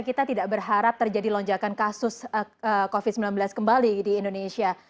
kita tidak berharap terjadi lonjakan kasus covid sembilan belas kembali di indonesia